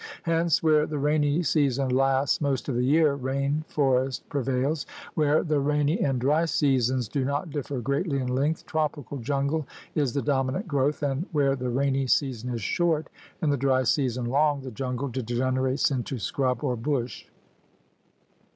Hence where the rainy season lasts most of the year, rain forest prevails; where the rainy 102 THE RED MAN'S CONTINENT and dry seasons do not differ greatly in length, tropical jungle is the dominant growth; and where the rainy season is short and the dry season long, the jungle degenerates into scrub or bush.